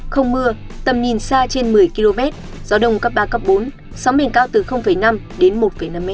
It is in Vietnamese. không mưa tầm nhìn xa trên một mươi km gió đông cấp ba cấp bốn sóng bền cao từ một năm hai năm m